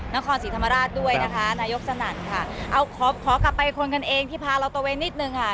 นครศรีธรรมราชด้วยนะคะนายกสนั่นค่ะเอาขอขอกลับไปคนกันเองที่พาเราตะเวนนิดนึงค่ะ